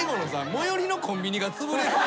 「最寄りのコンビニがつぶれる」